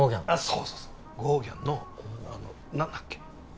そうそうそうゴーギャンのあの何だっけ？